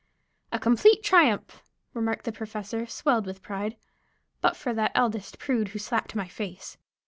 "A complete triumph," remarked the Professor, swelled with pride; "but for that eldest prude who slapped my face."